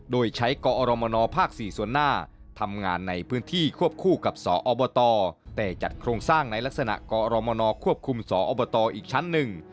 โดยใช้กอรมนภ๔ส่วนหน้าทำงานในพื้นที่ควบคู่กับสอบตแต่จัดโครงสร้างในลักษณะกรมนควบคุมสอบตอีกชั้นหนึ่ง